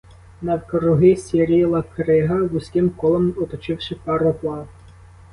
Навкруги сіріла крига, вузьким колом оточивши пароплав.